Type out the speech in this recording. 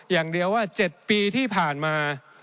อย่างเดียวว่า๗ปีที่ผ่านมา